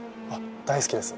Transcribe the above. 大好きです